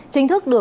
chính thức được gỡ